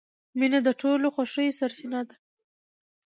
• مینه د ټولو خوښیو سرچینه ده.